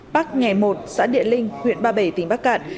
bắc nghè một xã địa linh huyện ba bể tỉnh bắc cạn